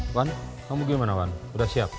iwan kamu gimana iwan sudah siap